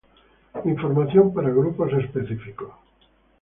Información para grupos específicos